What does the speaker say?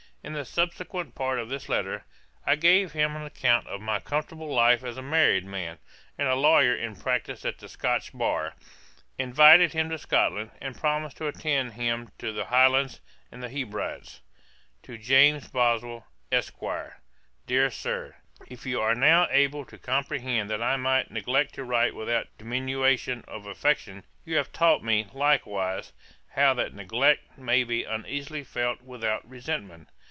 In the subsequent part of this letter, I gave him an account of my comfortable life as a married man, and a lawyer in practice at the Scotch bar; invited him to Scotland, and promised to attend him to the Highlands, and Hebrides. 'To JAMES BOSWELL, ESQ. 'DEAR SIR, 'If you are now able to comprehend that I might neglect to write without diminution of affection, you have taught me, likewise, how that neglect may be uneasily felt without resentment.